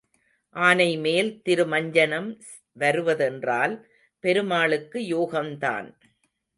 ஆனைமேல் திருமஞ்சனம் வருவதென்றால் பெருமாளுக்கு யோகந்தான்.